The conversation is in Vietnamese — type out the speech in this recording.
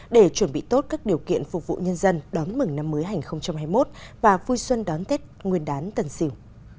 để chuẩn bị tốt các điều kiện phục vụ nhân dân đón mừng năm mới hai nghìn hai mươi một và vui xuân đón tết nguyên đán tần siêu